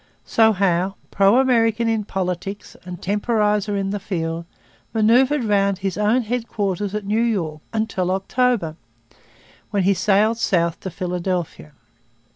So Howe, pro American in politics and temporizer in the field, manoeuvred round his own headquarters at New York until October, when he sailed south to Philadelphia.